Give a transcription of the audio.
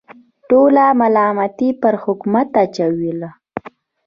ټوله ملامتي پر حکومت اچوله.